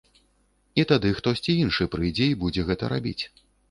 І тады хтосьці іншы прыйдзе і будзе гэта рабіць.